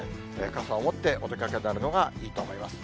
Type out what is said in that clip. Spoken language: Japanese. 傘を持ってお出かけになるのがいいと思います。